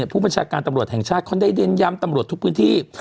ผู้บัญชาการตำรวจแห่งชาติเขาได้เน้นย้ำตำรวจทุกพื้นที่